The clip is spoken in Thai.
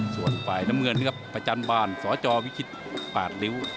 ส่วนฝ่ายน้ำเงินครับประจันบาลสจวิชิต๘ริ้ว